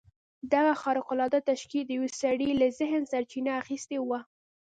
دغه خارق العاده تشکيل د يوه سړي له ذهنه سرچينه اخيستې وه.